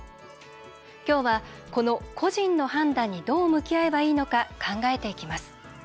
今日は、この個人の判断にどう向き合えばいいのか考えていきます。